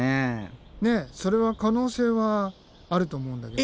ねえそれは可能性はあると思うんだけど。